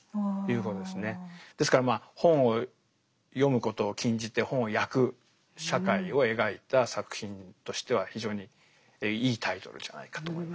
ですからまあ本を読むことを禁じて本を焼く社会を描いた作品としては非常にいいタイトルじゃないかと思います。